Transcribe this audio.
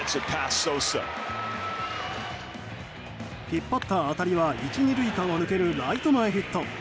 引っ張った当たりは１、２塁間を抜けるライト前ヒット。